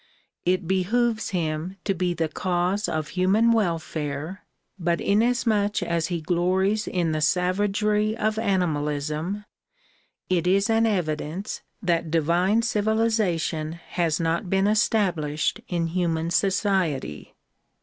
It behooves him to be the cause of human welfare but inasmuch as he glories in the savagery of animalism it is an evidence that divine civilization has not been established in human society.